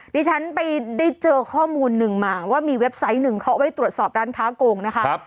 ดิฉันไปได้เจอข้อมูลหนึ่งมาว่ามีเว็บไซต์หนึ่งเขาไว้ตรวจสอบร้านค้าโกงนะคะ